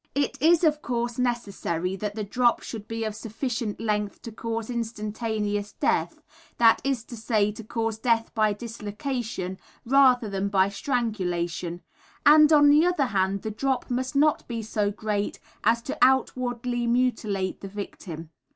It is, of course, necessary that the drop should be of sufficient length to cause instantaneous death, that is to say, to cause death by dislocation rather than by strangulation; and on the other hand, the drop must not be so great as to outwardly mutilate the victim.